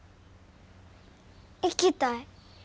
行きたい。